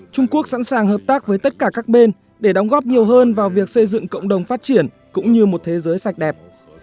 trung quốc sẵn sàng hợp tác với tất cả các bên để đóng góp nhiều hơn vào việc xây dựng cộng đồng phát triển cũng như một thế giới sạch đẹp